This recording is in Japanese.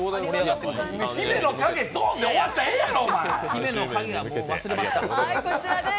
姫之影ドンで終わったらええやろ！